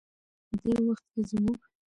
دې وخت کې زموږ